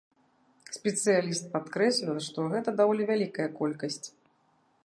Спецыяліст падкрэсліла, што гэта даволі вялікая колькасць.